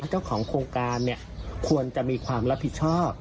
เจ้าของโครงการควรจะมีความรับผิดชอบ